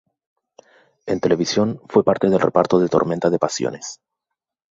En televisión, fue parte del reparto de "Tormenta de pasiones".